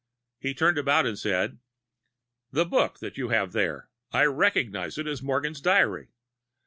He turned about and said: "The book that you have there I recognize it as Morgan's diary.